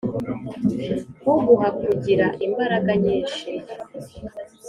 uguha kugira imbaraga nyinshi